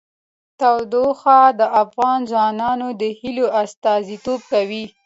تودوخه د افغان ځوانانو د هیلو استازیتوب کوي.